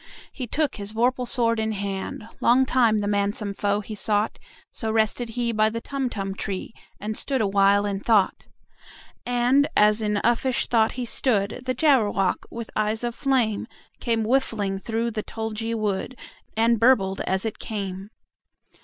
He took his vorpal sword in hand: Long time the manxome foe he sought So rested he by the Tumtum tree, And stood awhile in thought. And, as in uffish thought he stood, The Jabberwock, with eyes of flame, Came whiffling through the tulgey wood, And burbled as it came!